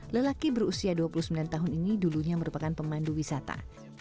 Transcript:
sejak dua ribu dua belas berusia dua puluh sembilan tahun borna merupakan pemandu wisata